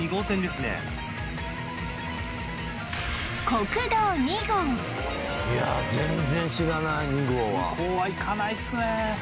今回いや全然知らない２号はむこうは行かないっすね